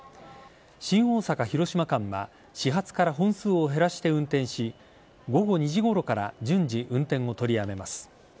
新大阪広島間は始発から本数を減らして運転し午後２時ごろから順次運転を取りやめます。